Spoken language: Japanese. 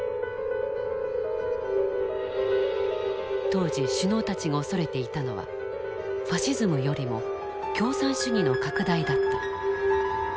当時首脳たちが恐れていたのはファシズムよりも共産主義の拡大だった。